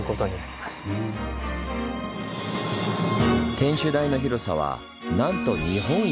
天守台の広さはなんと日本一！